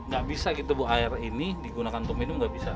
gak bisa gitu bu air ini digunakan untuk minum nggak bisa